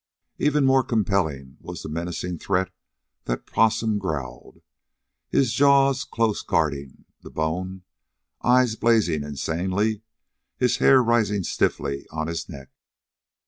Even more compelling was the menacing threat that Possum growled, his jaws close guarding the bone, eyes blazing insanely, the hair rising stiffly on his neck.